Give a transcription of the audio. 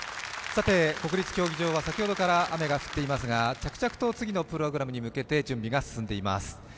さて、国立競技場は先ほどから雨が降っていますが着々と次のプログラムに向けて進んでいます。